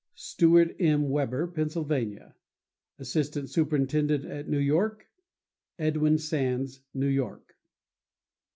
—Stewart M. Weber, Pennsylvania. Assistant Superintendent at New York.—Edwin Sands, New York.